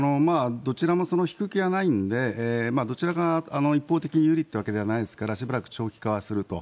どちらも引く気はないのでどちらかが一方的に有利というわけではないですからしばらく長期化はすると。